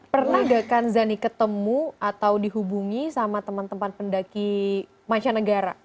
pernah gak kanza nih ketemu atau dihubungi sama teman teman pendaki masya negara